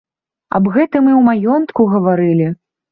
Аб гэтым і ў маёнтку гаварылі.